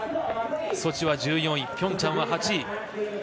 ソチは１４位ピョンチャンは８位。